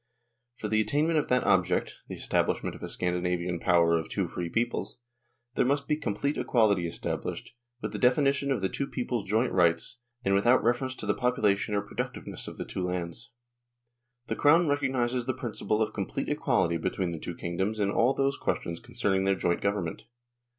..." For the attainment of that object (the establishment of a Scandinavian Power of two free peoples) there must be complete equality established, with the definition of the two peoples' joint rights, and without reference to the population or productiveness of the two lands." ..." The Crown recognises the principle of complete equality between the two kingdoms in all those questions concerning their joint government."